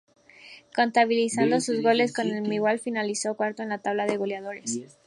Contabilizando sus goles con el Millwall, finalizó cuarto en la tabla de goleadores.